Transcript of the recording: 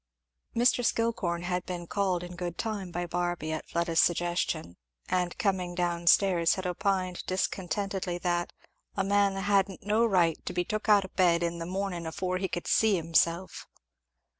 Mr. Skillcorn had been called in good time by Barby at Fleda's suggestion, and coming down stairs had opined discontentedly that "a man hadn't no right to be took out of bed in the morning afore he could see himself."